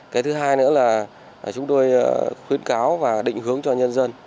cái thứ hai nữa là chúng tôi khuyến cáo và định hướng cho nhân dân